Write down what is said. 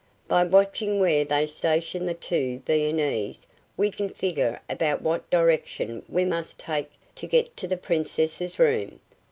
By watching where they station the two Viennese we can figure about what direction we must take to get to the Princess's room.